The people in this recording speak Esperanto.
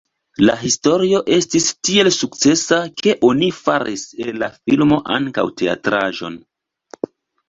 La historio estis tiel sukcesa, ke oni faris el la filmo ankaŭ teatraĵon.